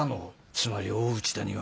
つまり大内田には。